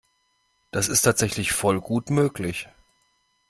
Das ist tatsächlich voll gut möglich.